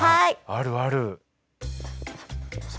あるある。